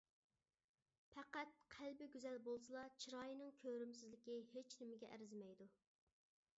پەقەت قەلبى گۈزەل بولسىلا، چىراينىڭ كۆرۈمسىزلىكى ھېچنېمىگە ئەرزىمەيدۇ.